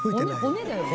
骨だよね。